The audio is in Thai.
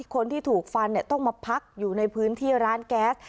คนที่ถูกฟันต้องมาพักอยู่ในพื้นที่ร้านแก๊ส